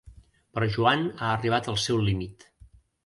Però Joan ha arribat al seu límit.